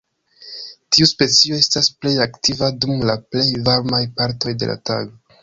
Tiu specio estas plej aktiva dum la plej varmaj partoj de la tago.